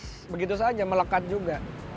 terus begitu saja melekat juga